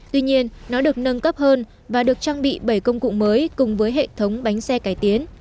tuy nhiên nó được nâng cấp hơn và được trang bị bảy công cụ mới cùng với hệ thống bánh xe cải tiến